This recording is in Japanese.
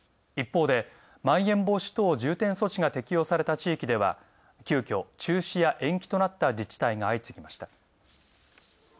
一方で、まん延防止等重点措置が適用された地域では急遽、中止や延期となった自治体が相次ぎました。